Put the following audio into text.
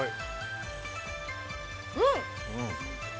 うん！